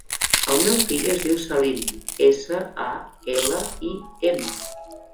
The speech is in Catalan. El meu fill es diu Salim: essa, a, ela, i, ema.